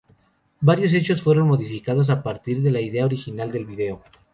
Varios hechos fueron modificados a partir de la idea original del video.